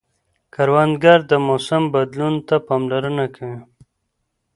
کروندګر د موسم بدلون ته پاملرنه کوي